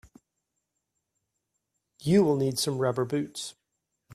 You will need some rubber boots.